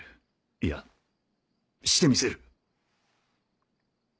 いやしてみせる。